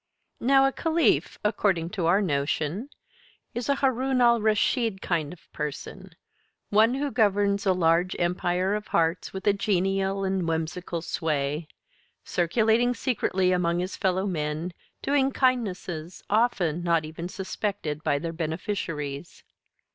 Now a Caliph, according to our notion, is a Haroun al Raschid kind of person; one who governs a large empire of hearts with a genial and whimsical sway; circulating secretly among his fellow men, doing kindnesses often not even suspected by their beneficiaries.